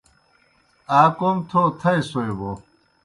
آ کوْم تھو تھائیسوئے بوْ